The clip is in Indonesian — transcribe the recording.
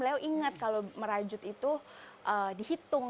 beliau ingat kalau merajut itu dihitung